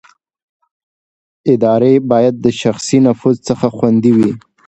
ادارې باید د شخصي نفوذ څخه خوندي وي